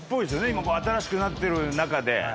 今こう新しくなってる中で。